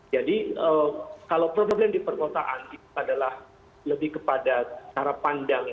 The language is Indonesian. jadi kalau problem di perkotaan adalah lebih kepada cara pandangnya